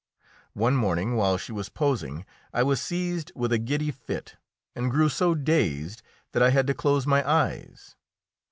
One morning, while she was posing, I was seized with a giddy fit and grew so dazed that I had to close my eyes.